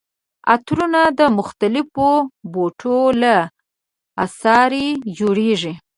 عطرونه د مختلفو بوټو له عصارې جوړیږي.